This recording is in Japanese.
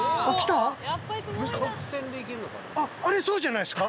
あれそうじゃないですか？